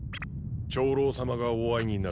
長老様がお会いになる。